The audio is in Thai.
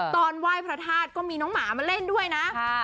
ไหว้พระธาตุก็มีน้องหมามาเล่นด้วยนะ